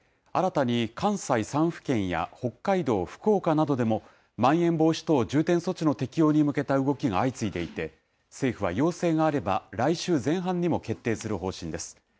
新たに関西３府県や北海道、福岡などでも、まん延防止等重点措置の適用に向けた動きが相次いでいて、政府は要請があれば来週前半にも決定する方針です。